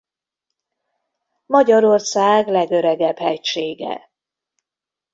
Magyarország legöregebb hegysége.